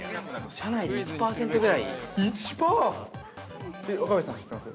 ◆社内で１％ぐらいです。